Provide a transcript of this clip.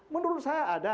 menurut saya ada